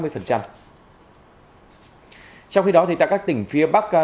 trong khi đó thì tại các tỉnh phía bắc